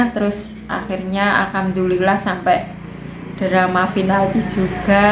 terus akhirnya alhamdulillah sampai drama final itu juga